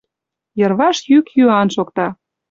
Йырваш йӱк-йӱан шокта: